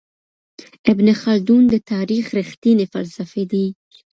ابن خلدون د تاريخ رښتينی فلسفي دی.